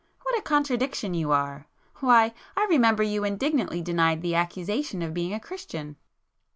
What a contradiction you are! Why, I remember you indignantly denied the accusation of being a Christian."